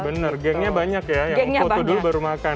benar gengnya banyak ya yang foto dulu baru makan